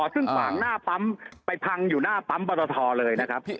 ซึ่งขวางหน้าปั๊มไปพังอยู่หน้าปั๊มปรตทเลยนะครับ